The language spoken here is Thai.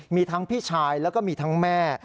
มีทั้งพี่ชายแล้วก็มีทั้งแม่